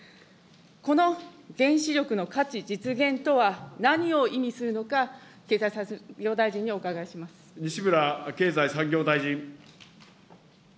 この原子力の価値実現とは何を意味するのか、西村経済産業大臣。